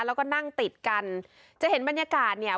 แล้วก็นั่งติดกันจะเห็นบรรยากาศเนี่ย